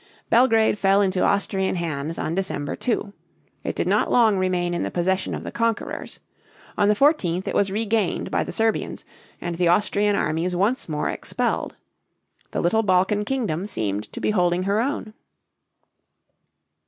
Belgrade fell into Austrian hands on December 2. It did not long remain in the possession of the conquerors. On the 14th, it was regained by the Serbians, and the Austrian armies once more expelled. The little Balkan kingdom seemed to be holding her own.